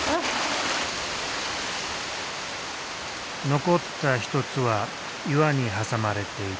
残った１つは岩に挟まれていた。